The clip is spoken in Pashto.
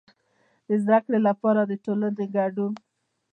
د زده کړې لپاره د ټولنې کډون.